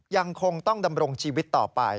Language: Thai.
ยังคงต้องดำรงชีวิตต่อไป